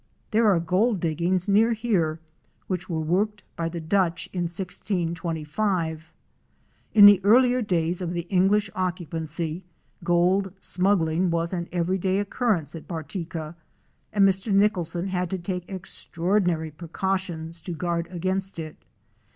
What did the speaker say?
There are gold diggings near here which were worked by the Dutch in 1625. In the earlier days of the English occupancy, gold smuggling was an every day occurrence at Bartica, and Mr. Nicholson had to take extraordinary precautions to guard against it.